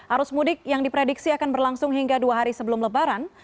arus mudik yang diprediksi akan berlangsung hingga dua hari sebelum lebaran